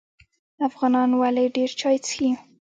افغانان ولې ډیر چای څښي؟